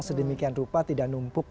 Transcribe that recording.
sedemikian rupa tidak numpuk